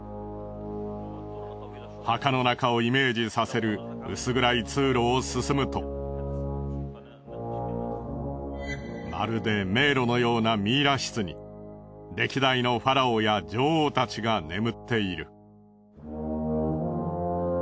墓の中をイメージさせる薄暗い通路を進むとまるで迷路のようなミイラ室に歴代のファラオや女王たちが眠っている。